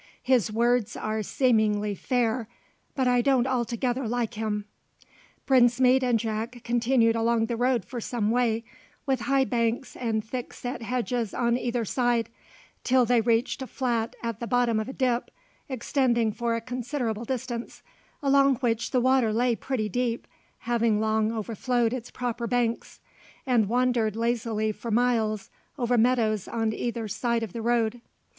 "His words are seemingly fair, but I don't altogether like him." Brinsmead and Jack continued along the road for some way, with high banks and thick set hedges on either side, till they reached a flat at the bottom of a dip, extending for a considerable distance, along which the water lay pretty deep, having long overflowed its proper banks, and wandered lazily for miles over meadows on either side of the road.